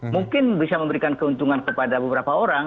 mungkin bisa memberikan keuntungan kepada beberapa orang